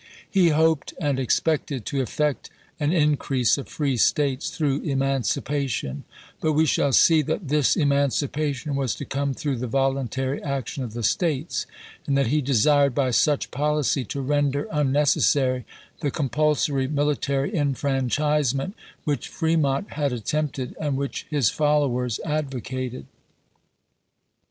He hoped and ex pected to effect an "increase of free States" through emancipation; but we shall see that this emancipation was to come through the voluntary action of the States, and that he desired by such policy to render unnecessary the compulsory mili tary enfranchisement which Fremont had attempted and which his followers advocated.